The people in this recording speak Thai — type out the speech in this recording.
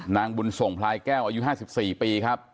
นางบุญส่งพลายแก้วอายุ๕๔ปีครับ